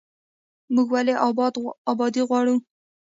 موږ ولې ابادي غواړو؟